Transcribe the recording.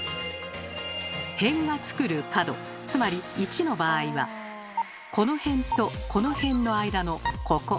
辺が作る角つまり１の場合はこの辺とこの辺の間のここ。